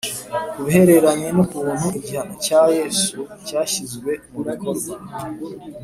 Ku bihereranye n ukuntu igihano cya Yesu cyashyizwe mu bikorwa